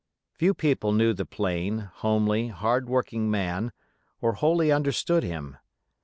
Few people knew the plain, homely, hard working man, or wholly understood him.